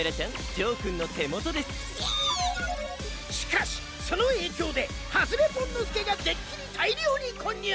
しかしその影響ではずれポンの助がデッキに大量に混入！